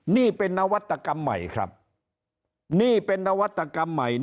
นี่เป็นนวัตกรรมใหม่ครับนี่เป็นนวัตกรรมใหม่